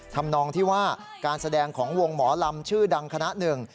ทำนองที่ว่าการแสดงของวงหมอลำชื่อดังคณะหนึ่ง